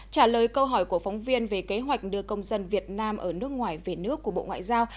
trả lời câu hỏi của phóng viên về kế hoạch đưa công dân việt nam ở nước ngoài về nước của bộ ngoại giao